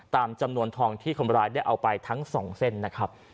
ตามจำนวนทองที่คนร้ายได้เอาไปทั้ง๒เส้นนะครับ